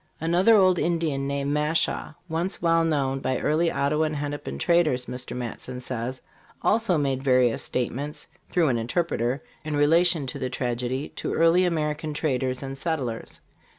Another old Indian named Mashaw, once well known by early Ottawa and Hennepin traders, Mr Matson says, also made various statements, through an interpreter, in relation to the tragedy, to early American traders and settlers.